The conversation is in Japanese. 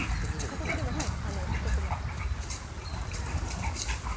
片手でもはい落とせます